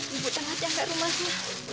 ibu tengah jangka rumahnya